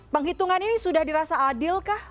penghitungan ini sudah dirasa adil kah